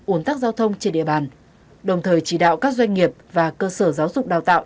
ủn tắc giao thông trên địa bàn đồng thời chỉ đạo các doanh nghiệp và cơ sở giáo dục đào tạo